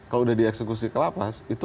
kalau sudah dieksekusi ke lapas itu